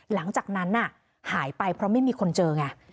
หลังจากนั้นหายไปเพราะไม่มีคนเจอไง